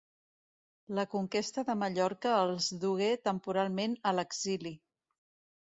La conquesta de Mallorca els dugué temporalment a l'exili.